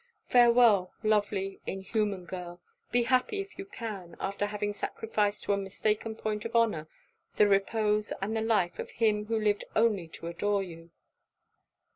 Farewel, lovely, inhuman girl! be happy if you can after having sacrificed to a mistaken point of honour, the repose and the life of him who lived only to adore you.'